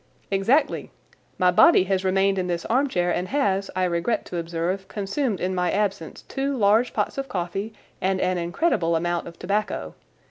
"Exactly. My body has remained in this armchair and has, I regret to observe, consumed in my absence two large pots of coffee and an incredible amount of tobacco.